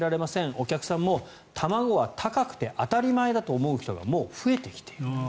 お客さんも卵は高くて当たり前だと思う人がもう増えてきていると。